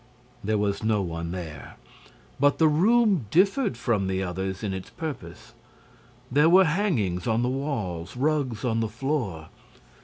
There was no one there. But the room differed from the others in its purpose. There were hangings on the walls, rugs on the floor.